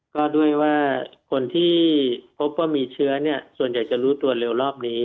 ก็ด้วยว่าคนที่พบว่ามีเชื้อส่วนใหญ่จะรู้ตัวเร็วรอบนี้